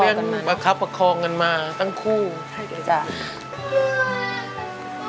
เรียนประคับประคองกันมาตั้งคู่ใช่ค่ะ